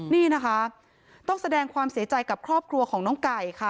นี่นะคะต้องแสดงความเสียใจกับครอบครัวของน้องไก่ค่ะ